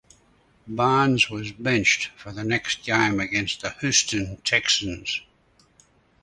Barnes was benched for the next game against the Houston Texans.